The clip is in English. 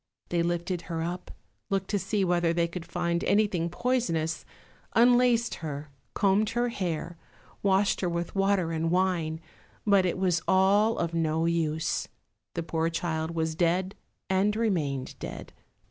They lifted her up, looked to see whether they could find anything poisonous, unlaced her, combed her hair, washed her with water and wine, but it was all of no use; the poor child was dead, and remained dead.